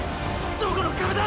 どこの壁だ！！